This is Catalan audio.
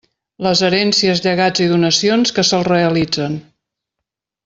Les herències, llegats i donacions que se'l realitzen.